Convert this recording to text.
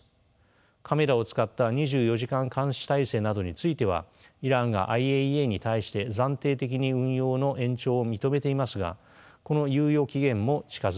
カメラを使った２４時間監視体制などについてはイランがＩＡＥＡに対して暫定的に運用の延長を認めていますがこの猶予期限も近づいています。